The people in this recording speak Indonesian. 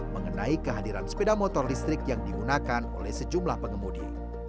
mengenai kehadiran sepeda motor listrik yang digunakan oleh sejumlah pengemudi